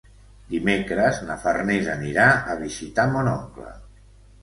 Dimecres na Farners anirà a visitar mon oncle.